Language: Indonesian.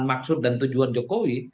maksud dan tujuan jokowi